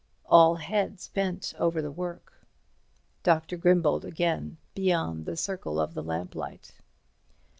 All heads bent over the work. Dr. Grimbold again—beyond the circle of the lamplight.